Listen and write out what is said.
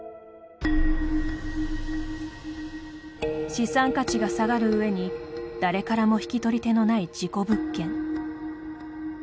資産価値が下がるうえに誰からも引き取り手のない事故物件。